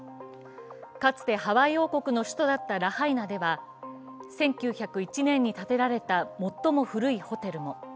かつてハワイ王国の首都だったラハイナでは１９０１年に建てられた最も古いホテルも。